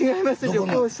旅行者。